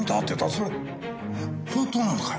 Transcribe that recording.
それ本当なのかい？